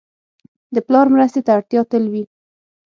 د پلار مرستې ته اړتیا تل وي.